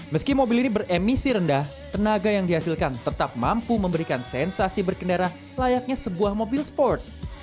meski mobil ini beremisi rendah tenaga yang dihasilkan tetap mampu memberikan sensasi berkendara layaknya sebuah mobil sport